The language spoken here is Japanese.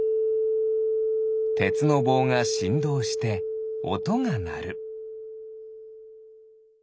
てつのぼうがしんどうしておとがなる。